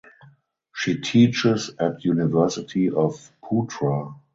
She teaches at University of Putra.